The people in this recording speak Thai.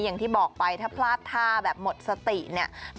อย่างที่บอกไปถ้าพลาดท่าแบบหมดสติเนี่ย